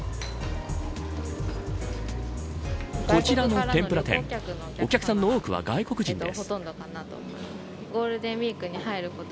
こちらのお店もお客さんの多くは外国人です。